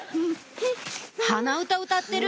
鼻歌歌ってる！